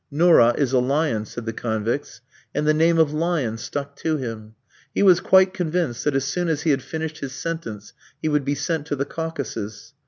"Nourra is a lion," said the convicts; and the name of "Lion" stuck to him. He was quite convinced that as soon as he had finished his sentence he would be sent to the Caucasus.